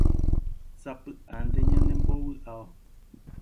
sapy'ánte ñanembovy'áva